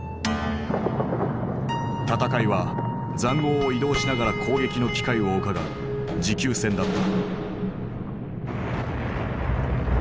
戦いは塹壕を移動しながら攻撃の機会をうかがう持久戦だった。